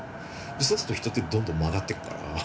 そうすると人ってどんどん曲がってくから。